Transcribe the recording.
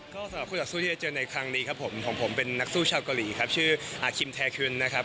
ก็สำหรับคู่ต่อสู้ที่จะเจอในครั้งนี้ครับผมของผมเป็นนักสู้ชาวเกาหลีครับชื่ออาคิมแทคึนนะครับ